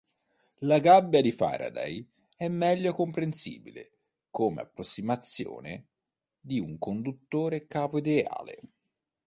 La gabbia di Faraday è meglio comprensibile come approssimazione di un conduttore cavo ideale.